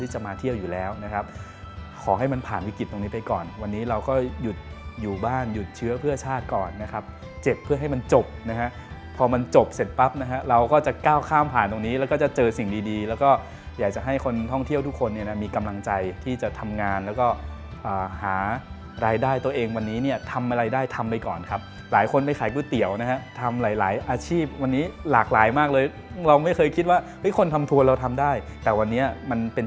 ชาติก่อนนะครับเจ็บเพื่อให้มันจบนะฮะพอมันจบเสร็จปั๊บนะฮะเราก็จะก้าวข้ามผ่านตรงนี้แล้วก็จะเจอสิ่งดีแล้วก็อยากจะให้คนท่องเที่ยวทุกคนเนี่ยมีกำลังใจที่จะทำงานแล้วก็หารายได้ตัวเองวันนี้เนี่ยทำอะไรได้ทำไปก่อนครับหลายคนไปขายก๋วยเตี๋ยวนะฮะทำหลายอาชีพวันนี้หลากหลายมากเลยเราไม่เคยคิดว่าไม่คนทำทัวร